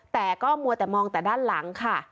แต่ก็มัวแต่มองแต่ด้านหลังค่ะ